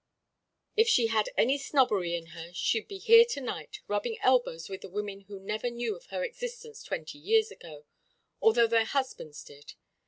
If she had any snobbery in her she'd be here to night, rubbing elbows with the women who never knew of her existence twenty years ago, although their husbands did.